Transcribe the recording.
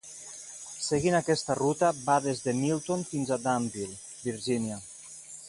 Seguint aquesta ruta, va des de Milton fins a Danville, Virgínia.